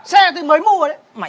xe tôi mới mua đấy